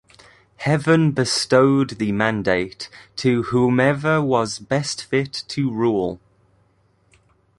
Heaven bestowed the mandate to whomever was best fit to rule.